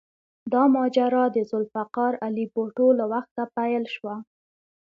دا ماجرا د ذوالفقار علي بوټو له وخته پیل شوه.